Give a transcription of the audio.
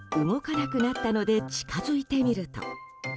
動かなくなったので近づいてみると。